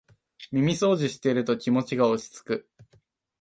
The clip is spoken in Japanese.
耳そうじしてると気持ちが落ちつく